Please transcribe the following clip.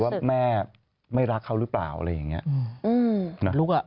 รู้สึกว่าไม่รักเขาหรือเปล่าอะไรแบบนี้ครับอือ